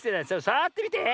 さわってみて。